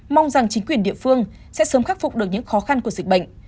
mong rằng chính quyền địa phương sẽ sớm khắc phục được những khó khăn của dịch bệnh